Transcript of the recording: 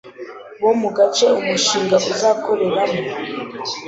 bo mu gace umushinga uzakoreramo